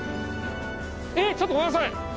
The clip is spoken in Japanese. えっちょっとごめんなさい。